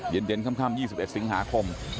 เย็นค่ำ๒๑สิงหาคม